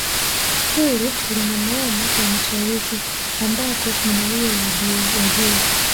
Hili lina maana ya mashariki ambako ni mawio ya jua